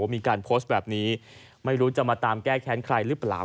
มีการโพสต์แบบนี้ไม่รู้จะมาตามแก้แค้นใครหรือเปล่า